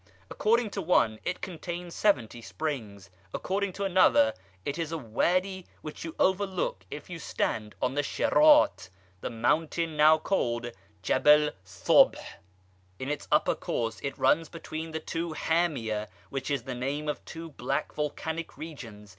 According to one, it contains seventy springs: according to another, it is a Wady which you overlook if you stand on the Sharat (the mountain now called Jebel Cobh). In its upper course it runs between the two Hamiya, which is the name of two black volcanic regions.